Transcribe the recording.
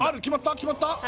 決まった決まった？